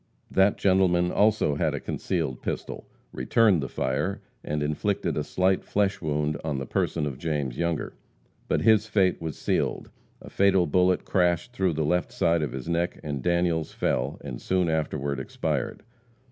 That gentleman also had a concealed pistol, returned the fire and inflicted a slight flesh wound on the person of James Younger. But his fate was sealed. A fatal bullet crashed through the left side of the neck, and Daniels fell, and soon afterward expired.